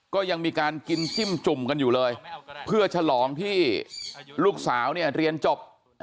ก็ยังมีการกินจิ้มจุ่มกันอยู่เลยเพื่อฉลองที่ลูกสาวเนี่ยเรียนจบ